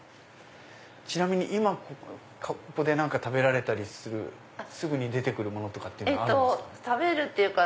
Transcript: ちなみに今ここで何か食べられたり。すぐに出て来るものとかってあるんですか？